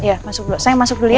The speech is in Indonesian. iya masuk dulu sayang masuk dulu ya